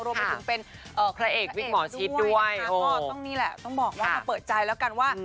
รวมไปถึงเป็นพระเอกวิกหมอชิดด้วยก็ต้องนี่แหละต้องบอกว่ามาเปิดใจแล้วกันว่า